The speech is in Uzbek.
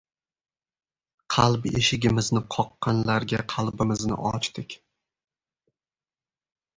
• Qalb eshigimizni qoqqanlarga qalbimizni ochdik…